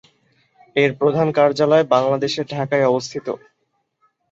এর প্রধান কার্যালয় বাংলাদেশের ঢাকায় অবস্থিত।